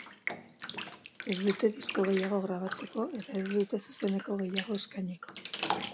Ez dute disko gehiago grabatuko, eta ez dute zuzeneko gehiago eskainiko.